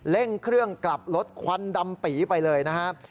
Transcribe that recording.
เร่งเครื่องกลับรถควันดำปีไปเลยนะครับ